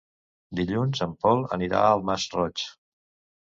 Dilluns en Pol anirà al Masroig.